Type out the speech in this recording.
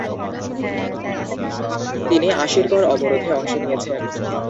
তিনি আসিরগড় অবরোধে অংশ নিয়েছেন।